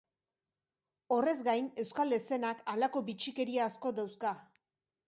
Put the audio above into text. Horrez gain, euskal eszenak halako bitxikeria asko dauzka.